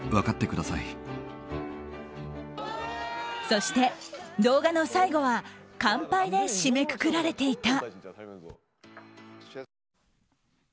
そして動画の最後は乾杯で締めくくられていた。